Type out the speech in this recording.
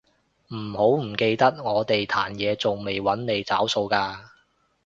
唔好唔記得我哋壇野仲未搵你找數㗎